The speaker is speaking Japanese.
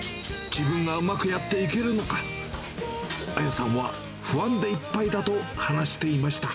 自分がうまくやっていけるのか、綾さんは不安でいっぱいだと話していました。